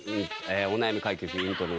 お悩み解決イントロ